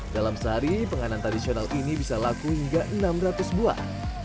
dalam sehari penganan tradisional ini bisa laku hingga enam ratus buah